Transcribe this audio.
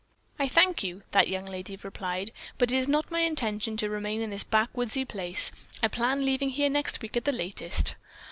"I thank you," that young lady replied, "but it is not my intention to remain in this backwoodsy place. I plan leaving here next week at the latest."